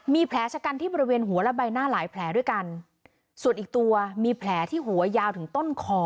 มีแผลชะกันที่บริเวณหัวและใบหน้าหลายแผลด้วยกันส่วนอีกตัวมีแผลที่หัวยาวถึงต้นคอ